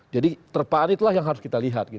jadi terpaan itulah yang harus kita lihat